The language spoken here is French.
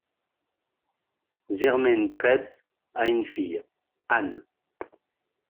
Germaine Krebs a une fille, Anne.